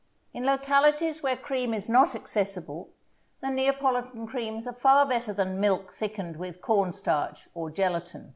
In localities where cream is not accessible, the Neapolitan Creams are far better than milk thickened with cornstarch or gelatin.